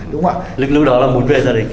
lúc đó là muốn về gia đình